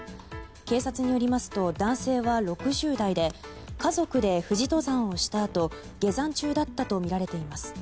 警察によりますと男性は６０代で家族で富士登山をしたあと下山中だったとみられています。